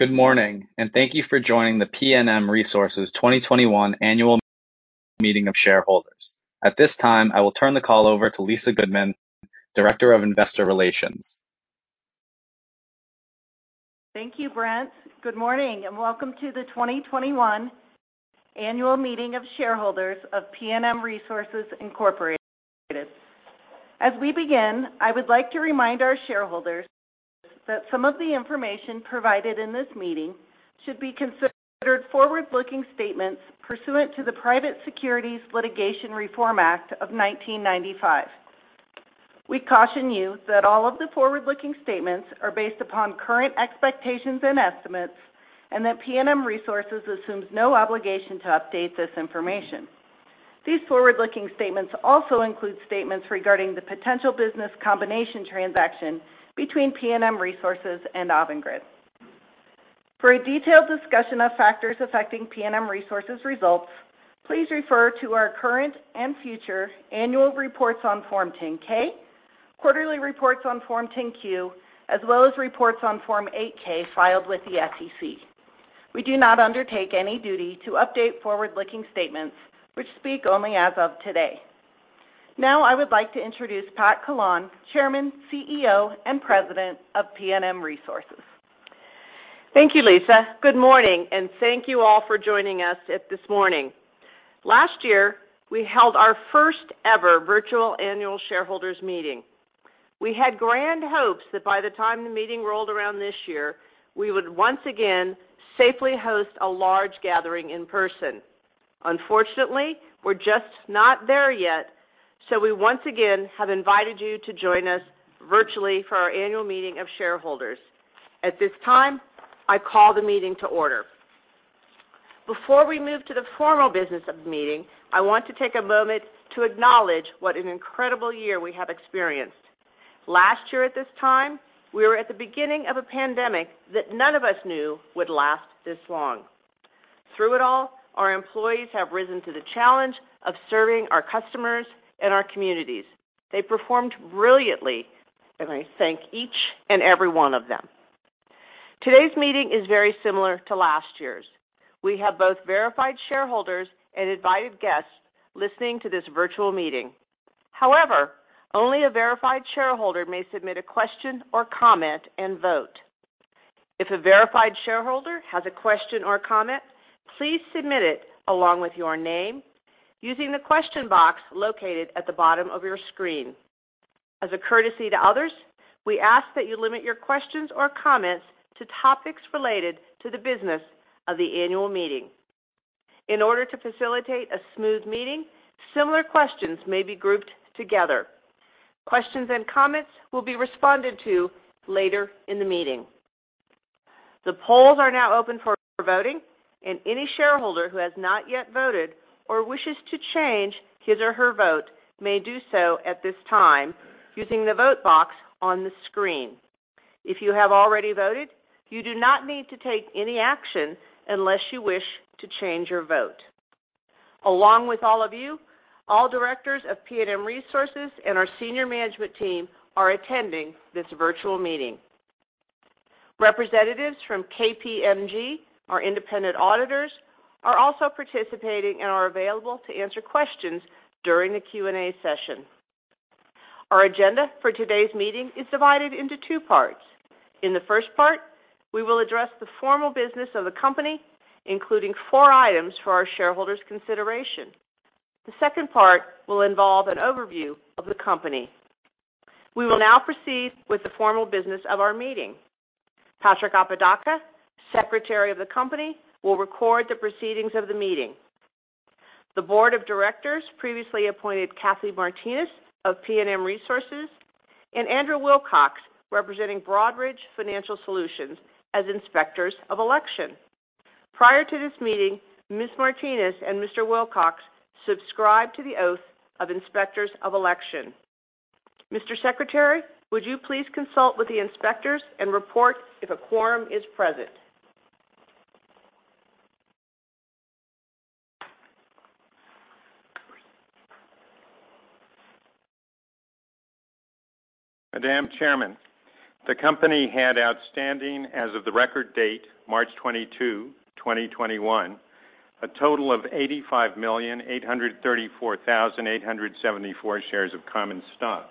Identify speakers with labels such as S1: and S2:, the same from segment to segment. S1: Good morning, and thank you for joining the PNM Resources 2021 annual meeting of shareholders. At this time, I will turn the call over to Lisa Goodman, Director of Investor Relations.
S2: Thank you, Brent. Good morning, and welcome to the 2021 annual meeting of shareholders of PNM Resources, Inc. As we begin, I would like to remind our shareholders that some of the information provided in this meeting should be considered forward-looking statements pursuant to the Private Securities Litigation Reform Act of 1995. We caution you that all of the forward-looking statements are based upon current expectations and estimates and that PNM Resources assumes no obligation to update this information. These forward-looking statements also include statements regarding the potential business combination transaction between PNM Resources and Avangrid. For a detailed discussion of factors affecting PNM Resources results, please refer to our current and future annual reports on Form 10-K, quarterly reports on Form 10-Q, as well as reports on Form 8-K filed with the SEC. We do not undertake any duty to update forward-looking statements, which speak only as of today. Now I would like to introduce Pat Vincent-Collawn, Chairman, CEO, and President of PNM Resources.
S3: Thank you, Lisa. Good morning, and thank you all for joining us this morning. Last year, we held our first-ever virtual annual shareholders meeting. We had grand hopes that by the time the meeting rolled around this year, we would once again safely host a large gathering in person. Unfortunately, we're just not there yet, so we once again have invited you to join us virtually for our annual meeting of shareholders. At this time, I call the meeting to order. Before we move to the formal business of the meeting, I want to take a moment to acknowledge what an incredible year we have experienced. Last year at this time, we were at the beginning of a pandemic that none of us knew would last this long. Through it all, our employees have risen to the challenge of serving our customers and our communities. They performed brilliantly, and I thank each and every one of them. Today's meeting is very similar to last year's. We have both verified shareholders and invited guests listening to this virtual meeting. However, only a verified shareholder may submit a question or comment and vote. If a verified shareholder has a question or comment, please submit it along with your name using the question box located at the bottom of your screen. As a courtesy to others, we ask that you limit your questions or comments to topics related to the business of the annual meeting. In order to facilitate a smooth meeting, similar questions may be grouped together. Questions and comments will be responded to later in the meeting. The polls are now open for voting, and any shareholder who has not yet voted or wishes to change his or her vote may do so at this time using the vote box on the screen. If you have already voted, you do not need to take any action unless you wish to change your vote. Along with all of you, all directors of PNM Resources and our senior management team are attending this virtual meeting. Representatives from KPMG, our independent auditors, are also participating and are available to answer questions during the Q&A session. Our agenda for today's meeting is divided into two parts. In the first part, we will address the formal business of the company, including four items for our shareholders' consideration. The second part will involve an overview of the company. We will now proceed with the formal business of our meeting. Patrick Apodaca, Secretary of the company, will record the proceedings of the meeting. The Board of Directors previously appointed Kathy Martinez of PNM Resources and Andrew Wilcox representing Broadridge Financial Solutions as Inspectors of Election. Prior to this meeting, Ms. Martinez and Mr. Wilcox subscribed to the Oath of Inspectors of Election. Mr. Secretary, would you please consult with the inspectors and report if a quorum is present?
S4: Madam Chairman, the company had outstanding as of the record date, March 22, 2021, a total of 85,834,874 shares of common stock.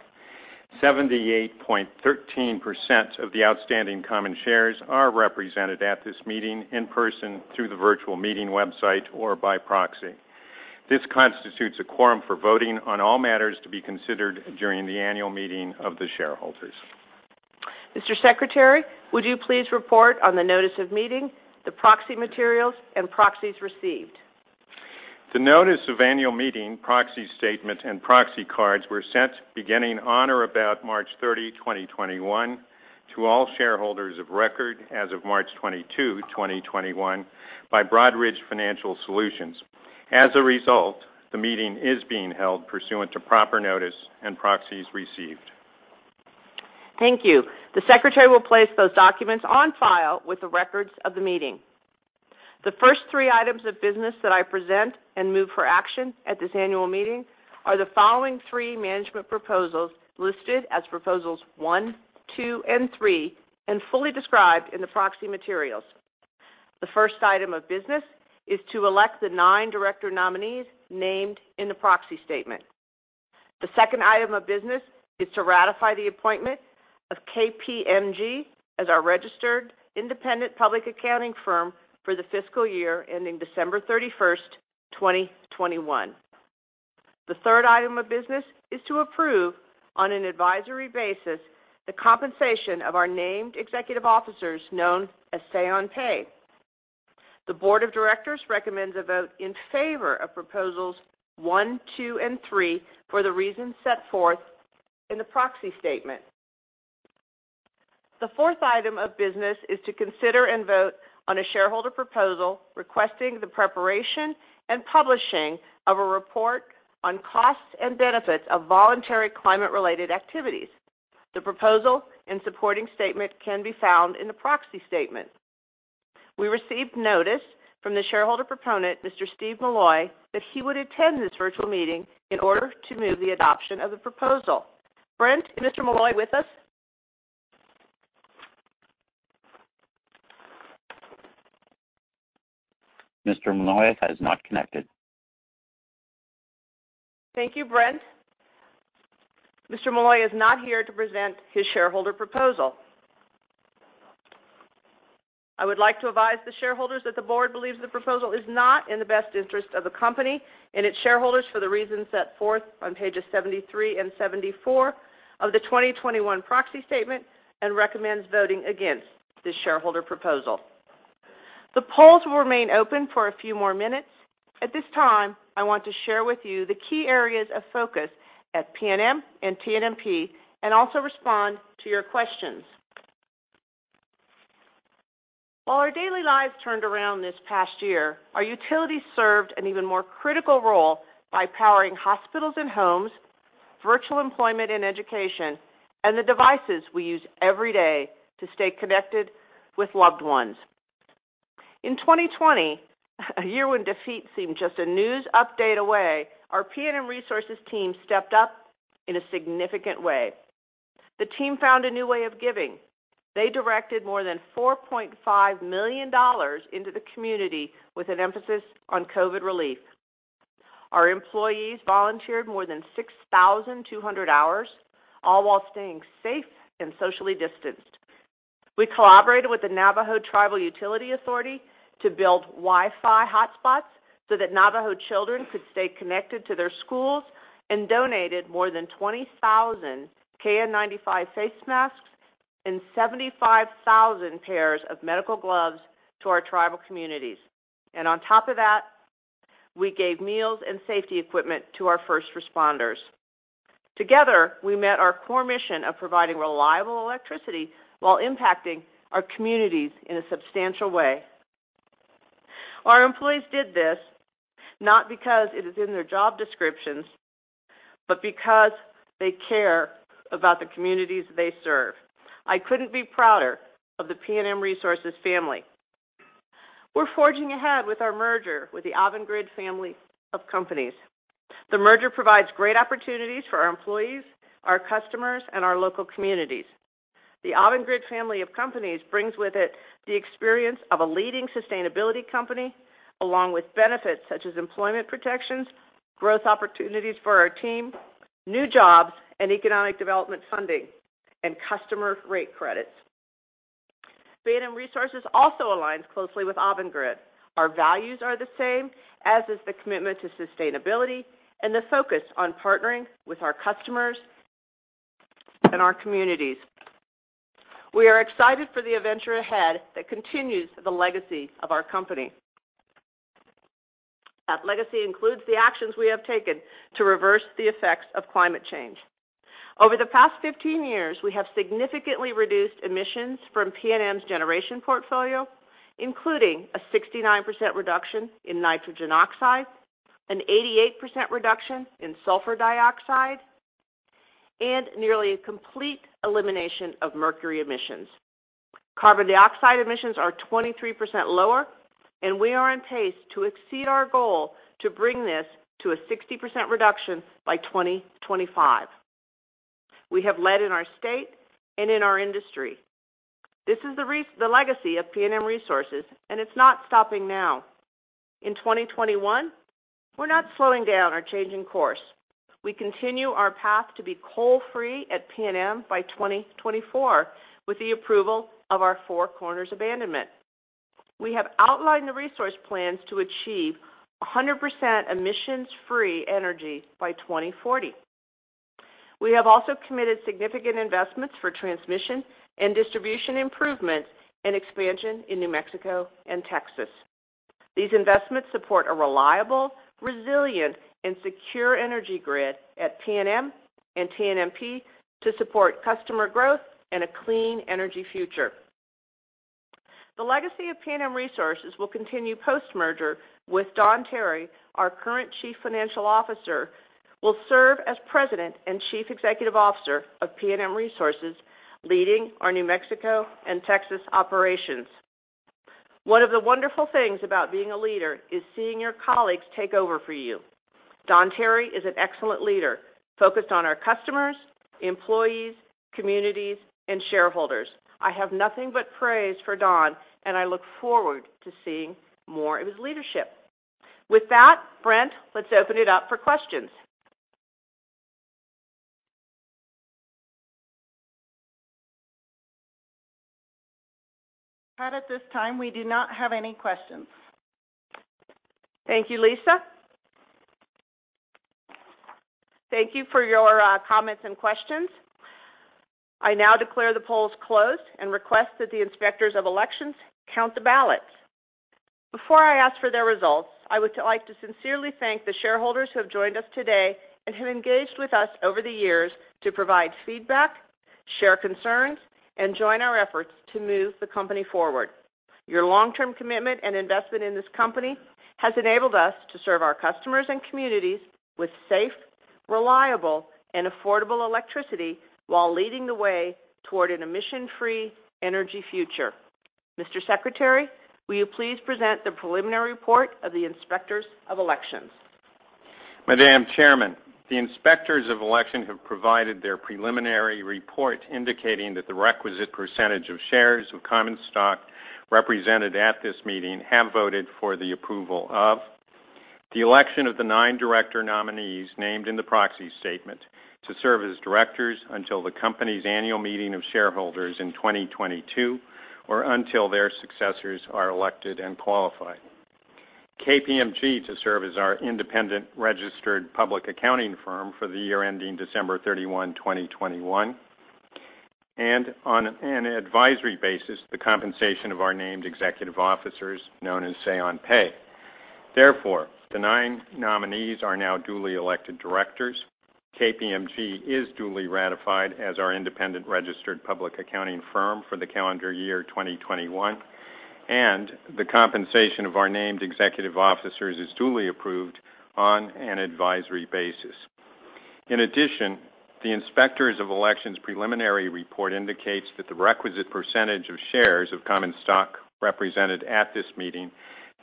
S4: 78.13% of the outstanding common shares are represented at this meeting in person through the virtual meeting website or by proxy. This constitutes a quorum for voting on all matters to be considered during the annual meeting of the shareholders.
S3: Mr. Secretary, would you please report on the notice of meeting, the proxy materials, and proxies received?
S4: The notice of annual meeting, proxy statement, and proxy cards were sent beginning on or about March 30, 2021, to all shareholders of record as of March 22, 2021, by Broadridge Financial Solutions. As a result, the meeting is being held pursuant to proper notice and proxies received.
S3: Thank you. The Secretary will place those documents on file with the records of the meeting. The first three items of business that I present and move for action at this annual meeting are the following three management proposals listed as Proposals One, Two, and Three, and fully described in the proxy materials. The first item of business is to elect the nine director nominees named in the proxy statement. The second item of business is to ratify the appointment of KPMG as our registered independent public accounting firm for the fiscal year ending December 31st, 2021. The third item of business is to approve, on an advisory basis, the compensation of our named executive officers known as Say on Pay. The board of directors recommends a vote in favor of Proposals One, Two, and Three for the reasons set forth in the proxy statement. The fourth item of business is to consider and vote on a shareholder proposal requesting the preparation and publishing of a report on costs and benefits of voluntary climate-related activities. The proposal and supporting statement can be found in the proxy statement. We received notice from the shareholder proponent, Mr. Steven Milloy, that he would attend this virtual meeting in order to move the adoption of the proposal. Brent, is Mr. Milloy with us?
S1: Mr. Milloy has not connected.
S3: Thank you, Brent. Mr. Milloy is not here to present his shareholder proposal. I would like to advise the shareholders that the board believes the proposal is not in the best interest of the company and its shareholders for the reasons set forth on pages 73 and 74 of the 2021 proxy statement and recommends voting against this shareholder proposal. The polls will remain open for a few more minutes. At this time, I want to share with you the key areas of focus at PNM and TNMP and also respond to your questions. While our daily lives turned around this past year, our utilities served an even more critical role by powering hospitals and homes, virtual employment and education, and the devices we use every day to stay connected with loved ones. In 2020, a year when defeat seemed just a news update away, our PNM Resources team stepped up in a significant way. The team found a new way of giving. They directed more than $4.5 million into the community with an emphasis on COVID relief. Our employees volunteered more than 6,200 hours, all while staying safe and socially distanced. We collaborated with the Navajo Tribal Utility Authority to build Wi-Fi hotspots so that Navajo children could stay connected to their schools and donated more than 20,000 KN95 face masks and 75,000 pairs of medical gloves to our tribal communities. On top of that, we gave meals and safety equipment to our first responders. Together, we met our core mission of providing reliable electricity while impacting our communities in a substantial way. Our employees did this not because it is in their job descriptions, but because they care about the communities they serve. I couldn't be prouder of the PNM Resources family. We're forging ahead with our merger with the Avangrid family of companies. The merger provides great opportunities for our employees, our customers, and our local communities. The Avangrid family of companies brings with it the experience of a leading sustainability company, along with benefits such as employment protections, growth opportunities for our team, new jobs, and economic development funding and customer rate credits. PNM Resources also aligns closely with Avangrid. Our values are the same, as is the commitment to sustainability and the focus on partnering with our customers and our communities. We are excited for the adventure ahead that continues the legacy of our company. That legacy includes the actions we have taken to reverse the effects of climate change. Over the past 15 years, we have significantly reduced emissions from PNM's generation portfolio, including a 69% reduction in nitrogen oxide, an 88% reduction in sulfur dioxide, and nearly a complete elimination of mercury emissions. Carbon dioxide emissions are 23% lower, and we are on pace to exceed our goal to bring this to a 60% reduction by 2025. We have led in our state and in our industry. This is the legacy of PNM Resources, and it's not stopping now. In 2021, we're not slowing down or changing course. We continue our path to be coal-free at PNM by 2024 with the approval of our Four Corners abandonment. We have outlined the resource plans to achieve 100% emissions-free energy by 2040. We have also committed significant investments for transmission and distribution improvements and expansion in New Mexico and Texas. These investments support a reliable, resilient, and secure energy grid at PNM and TNMP to support customer growth and a clean energy future. The legacy of PNM Resources will continue post-merger with Don Tarry, our current Chief Financial Officer, will serve as President and Chief Executive Officer of PNM Resources leading our New Mexico and Texas operations. One of the wonderful things about being a leader is seeing your colleagues take over for you. Don Tarry is an excellent leader, focused on our customers, employees, communities, and shareholders. I have nothing but praise for Don, and I look forward to seeing more of his leadership. With that, Brent, let's open it up for questions.
S2: Pat, at this time, we do not have any questions.
S3: Thank you, Lisa. Thank you for your comments and questions. I now declare the polls closed and request that the Inspectors of Elections count the ballots. Before I ask for their results, I would like to sincerely thank the shareholders who have joined us today and who engaged with us over the years to provide feedback, share concerns, and join our efforts to move the company forward. Your long-term commitment and investment in this company has enabled us to serve our customers and communities with safe, reliable, and affordable electricity while leading the way toward an emission-free energy future. Mr. Secretary, will you please present the preliminary report of the Inspectors of Elections?
S4: Madam Chairman, the Inspectors of Election have provided their preliminary report indicating that the requisite percentage of shares of common stock represented at this meeting have voted for the approval of the election of the nine director nominees named in the proxy statement to serve as directors until the company's annual meeting of shareholders in 2022 or until their successors are elected and qualified. KPMG to serve as our independent registered public accounting firm for the year ending December 31, 2021, and on an advisory basis, the compensation of our named executive officers, known as Say on Pay. Therefore, the nine nominees are now duly elected directors. KPMG is duly ratified as our independent registered public accounting firm for the calendar year 2021, and the compensation of our named executive officers is duly approved on an advisory basis. In addition, the inspectors of elections preliminary report indicates that the requisite percentage of shares of common stock represented at this meeting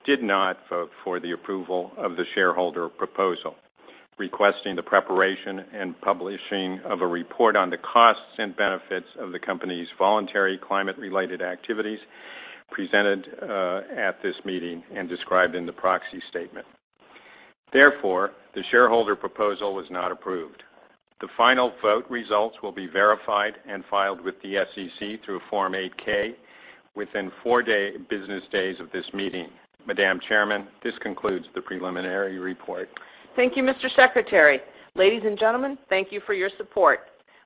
S4: did not vote for the approval of the shareholder proposal, requesting the preparation and publishing of a report on the costs and benefits of the company's voluntary climate-related activities presented at this meeting and described in the proxy statement. Therefore, the shareholder proposal was not approved. The final vote results will be verified and filed with the SEC through a Form 8-K within four business days of this meeting. Madam Chairman, this concludes the preliminary report.
S3: Thank you, Mr. Secretary. Ladies and gentlemen, thank you for your support.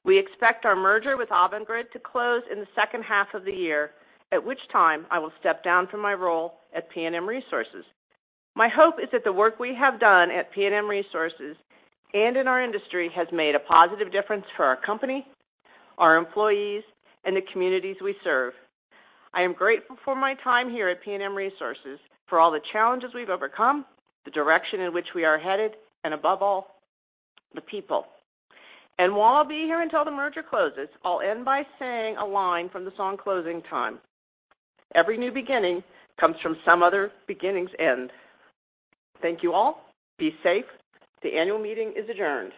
S3: We expect our merger with Avangrid to close in the second half of the year, at which time I will step down from my role at PNM Resources. My hope is that the work we have done at PNM Resources and in our industry has made a positive difference for our company, our employees, and the communities we serve. I am grateful for my time here at PNM Resources, for all the challenges we've overcome, the direction in which we are headed, and above all, the people. While I'll be here until the merger closes, I'll end by saying a line from the song "Closing Time." "Every new beginning comes from some other beginning's end." Thank you all. Be safe. The annual meeting is adjourned.